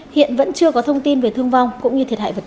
hiện vẫn chưa có thông tin về thương vong cũng như thiệt hại vật chất